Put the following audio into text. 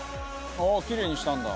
ああきれいにしたんだ。